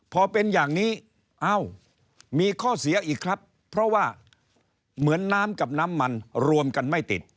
พอเป็นอย่างนี้เอ้ามีข้อเสียอีกครับเพราะว่าเหมือนน้ำกับน้ำมันรวมกันไม่ติด